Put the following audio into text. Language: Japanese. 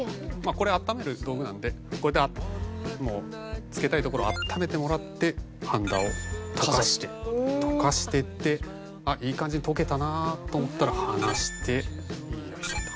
これ温める道具なのでこれで付けたいところを温めてもらってはんだを溶かしていっていい感じに溶けたなと思ったら離してよいしょと。